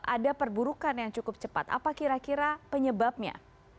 ada perburukan yang cukup cepat apa kira kira penyebabnya